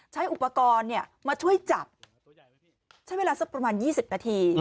ใช้อุปกรณ์มาช่วยจับใช้เวลาสักประมาณ๒๐นาที